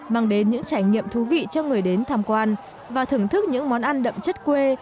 mang đến những trải nghiệm thú vị cho người đến tham quan và thưởng thức những món ăn đậm chất quê